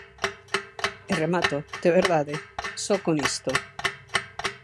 E remato de verdade, só con isto.